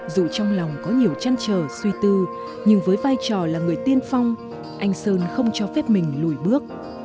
dù trong lòng có nhiều chăn trở suy tư nhưng với vai trò là người tiên phong anh sơn không cho phép mình lùi bước